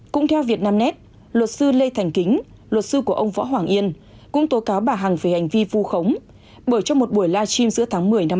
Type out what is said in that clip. cũng theo việt nam nét luật sư lê thành kính luật sư của ông võ hoàng yên cũng tố cáo bà hằng về hành vi vu khống bởi trong một buổi live stream giữa tháng một mươi năm hai nghìn hai mươi